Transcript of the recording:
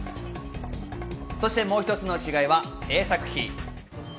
そして、もう一つの違いは製作費。